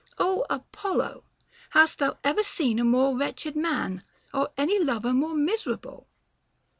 Ο Apollo, hast thon ever seen a more wretched man, or any lover more miserable \" 5.